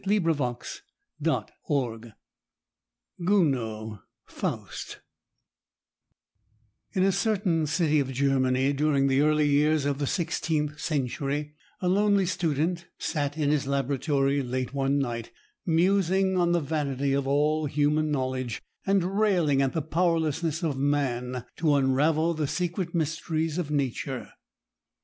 [Illustration: GOUNOD] FAUST In a certain city of Germany, during the early years of the sixteenth century, a lonely student sat in his laboratory late one night, musing on the vanity of all human knowledge, and railing at the powerlessness of man to unravel the secret mysteries of Nature.